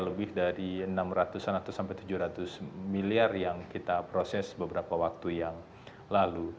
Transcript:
lebih dari rp enam ratus tujuh ratus miliar yang kita proses beberapa waktu yang lalu